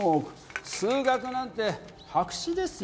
数学なんて白紙ですよ。